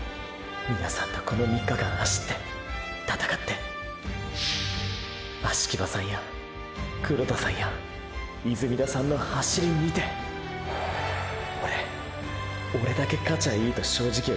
皆さんとこの３日間走って闘って葦木場さんや黒田さんや泉田さんの走り見てオレオレだけ勝ちゃいいと正直思ってたんです。